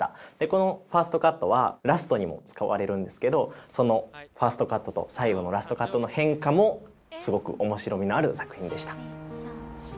このファーストカットはラストにも使われるんですけどそのファーストカットと最後のラストカットの変化もすごく面白みのある作品でした。